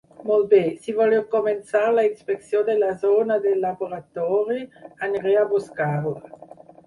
Molt bé. Si voleu començar la inspecció de la zona del laboratori, aniré a buscar-la.